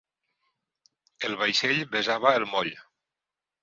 El vaixell besava el moll.